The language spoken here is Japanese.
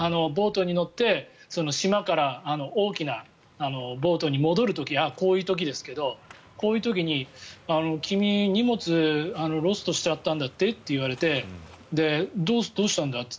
ボートに乗って島から大きなボートに戻る時こういう時ですけどこういう時に君、荷物ロストしちゃったんだって？って言われてどうしたんだ？